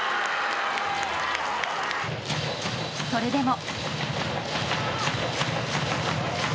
それでも。